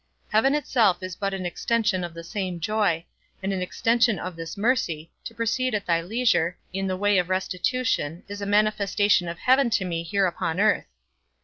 Heaven itself is but an extension of the same joy; and an extension of this mercy, to proceed at thy leisure, in the way of restitution, is a manifestation of heaven to me here upon earth.